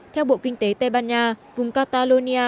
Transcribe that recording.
theo bộ kinh tế tây ban nha vùng catalonia